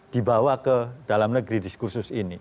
dibawa ke dalam negeri diskursus ini